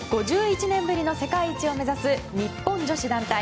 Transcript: ５１年ぶりの世界一を目指す日本女子団体。